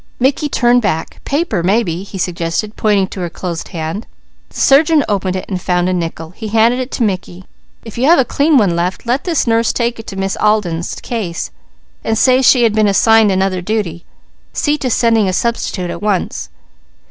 Mickey turned back. "Paper, maybe," he suggested, pointing to her closed hand. The surgeon opened it and found a nickel. He handed it to Mickey. "If you have a clean one left, let this nurse take it to Miss Alden's case, and say she has been assigned other duty. See to sending a substitute at once."